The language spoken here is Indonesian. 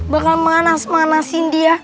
bakal manas manasin dia